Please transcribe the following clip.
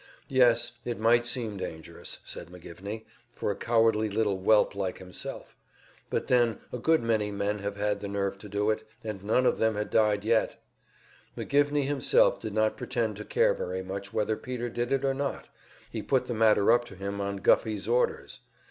Yes, it might seem dangerous, said McGivney, for a cowardly little whelp like himself; but then a good many men had had the nerve to do it, and none of them had died yet. McGivney himself did not pretend to care very much whether Peter did it or not; he put the matter up to him on Guffey's orders.